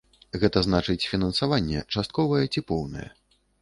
Гэта значыць, фінансаванне, частковае ці поўнае.